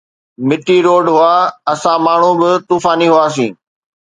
مٽي روڊ هئا، اسان ماڻهو به طوفاني هئاسين